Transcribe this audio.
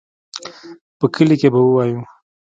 په کلي کښې به ووايو.